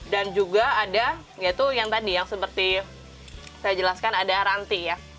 dan juga ada yang tadi yang seperti saya jelaskan ada ranti